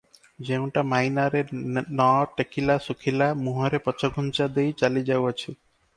ଯେଉଁଟା ମାଇନାରେ ନ ଟେକିଲା ଶୁଖିଲା ମୁହଁରେ ପଛଘୁଞ୍ଚା ଦେଇ ଚାଲି ଯାଉଅଛି ।